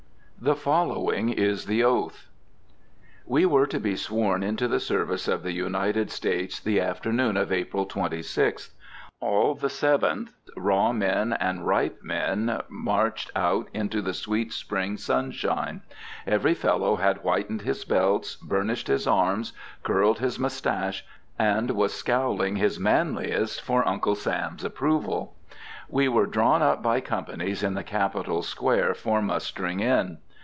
THE FOLLOWING IS THE OATH. We were to be sworn into the service of the United States the afternoon of April 26th. All the Seventh, raw men and ripe men, marched out into the sweet spring sunshine. Every fellow had whitened his belts, burnished his arms, curled his moustache, and was scowling his manliest for Uncle Sam's approval. We were drawn up by companies in the Capitol Square for mustering in.